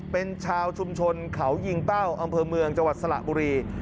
เป็นชาวชุมชนเขายิงเป้าอำเภอเมืองจังหวัดสระบุรี